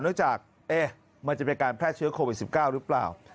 เนื่องจากมันจะเป็นการแพร่เชื้อโควิด๑๙หรือเปล่า